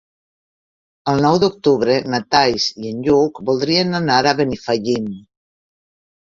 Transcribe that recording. El nou d'octubre na Thaís i en Lluc voldrien anar a Benifallim.